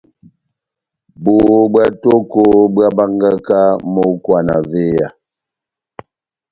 Bohó bwá tóko bohábángaka mókwa na véya.